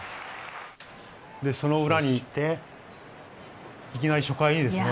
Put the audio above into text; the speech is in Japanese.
その裏にいっていきなり初回にですね